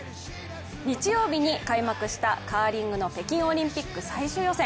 日曜日に開幕したカーリングの北京オリンピック最終予選。